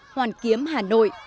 hoàn kiếm hà nội